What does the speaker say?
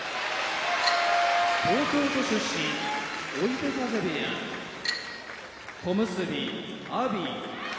東京都出身追手風部屋小結・阿炎